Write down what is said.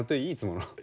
いつもの。